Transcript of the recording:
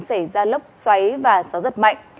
xảy ra lốc xoáy và gió rất mạnh